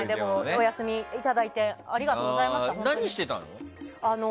お休みいただいてありがとうございました。